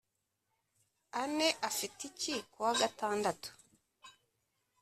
anne afite iki kuwa gatandatu